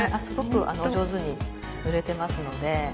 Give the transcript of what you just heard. すごく上手に塗れてますので。